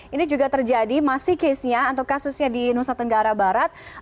ini juga terjadi masih kasusnya di nusa tenggara barat